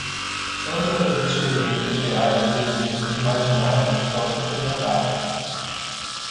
Ambas as experiências reais e eventos imaginários podem ser narrados.